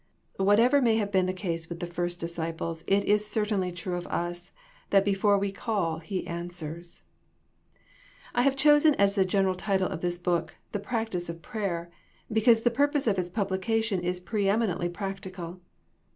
Whatever may have been the case with the first disciples it is certainly true of us that before we " call " He " answers." I have chosen as the general title of this book " The Practice of Prayer," because the purpose of its publication is preeminently practical.